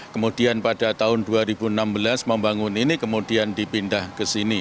kemudian pada tahun dua ribu enam belas membangun ini kemudian dipindah ke sini